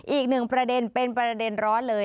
อีกหนึ่งประเด็นเป็นประเด็นร้อนเลย